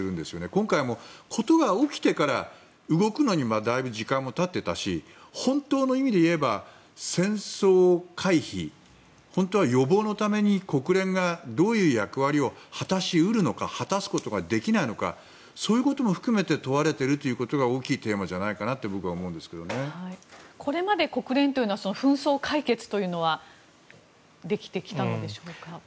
今回も事が起きてから動くのにだいぶ時間も経っていたし本当の意味で言えば戦争回避、本当は予防のために国連がどういう役割を果たし得るのか果たすことができないのかそういうことも含めて問われているということが大きいテーマじゃないかなとこれまで国連というのは紛争解決というのはできてきたんでしょうか。